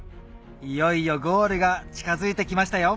いよいよゴールが近づいてきましたよ